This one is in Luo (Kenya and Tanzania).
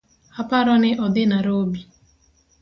Aparoni odhi narobi